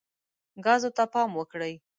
ګازو ته پام وکړئ.